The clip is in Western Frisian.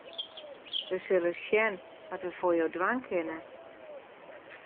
Wy sille sjen wat we foar jo dwaan kinne.